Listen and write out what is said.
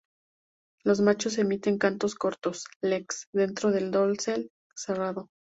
Los machos emiten cantos cortos en "leks", dentro del dosel cerrado.